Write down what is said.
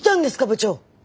部長。